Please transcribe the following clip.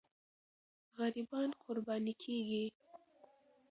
غریبان قرباني کېږي.